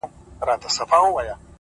پايزېب به دركړمه د سترگو توره!!